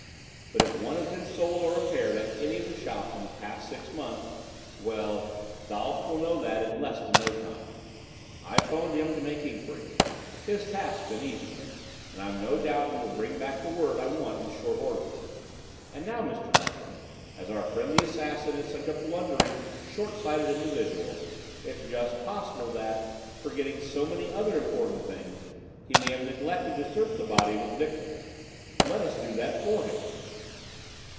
But if one has been sold or repaired at any of the shops in the past six months well, Dollops will know that in less than no time. I 'phoned him to make inquiries. His task's an easy one, and I've no doubt he will bring back the word I want in short order. And now, Mr. Narkom, as our friend the assassin is such a blundering, short sighted individual, it's just possible that, forgetting so many other important things, he may have neglected to search the body of his victim. Let us do it for him."